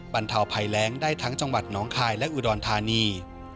บรรเทาภัยแรงได้ทั้งจังหวัดน้องคายและอุดรธานี